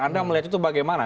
anda melihat itu bagaimana